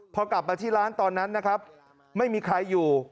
พอกลับมาที่ร้านตอนนั้นนะครับไม่มีใครอยู่